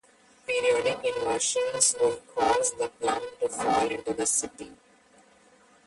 Periodic inversions would cause the plume to fall into the city.